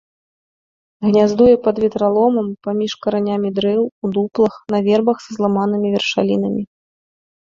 Гняздуе пад ветраломам, паміж каранямі дрэў, у дуплах, на вербах са зламанымі вяршалінамі.